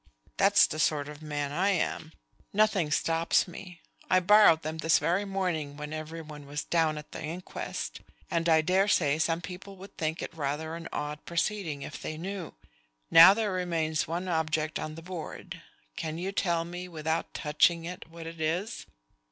That's the sort of man I am nothing stops me. I borrowed them this very morning when everyone was down at the inquest, and I dare say some people would think it rather an odd proceeding if they knew. Now there remains one object on the board. Can you tell me, without touching it, what it is?"